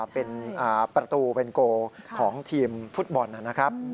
เป็นประตูเป็นโกของทีมฟุตบอลนะครับ